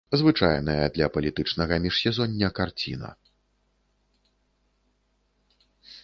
Звычайная для палітычнага міжсезоння карціна.